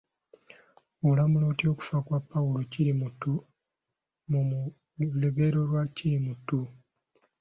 Olamula otya okufa kwa Pawulo Kirimuttu mu lugero lwa Kirimuttu?